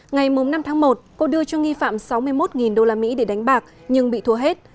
ngày năm tháng một cô đưa cho nghi phạm sáu mươi một đô la mỹ để đánh bạc nhưng bị thua hết